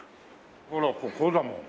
ほらこうだもん。